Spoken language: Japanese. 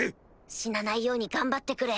死なないように頑張ってくれ。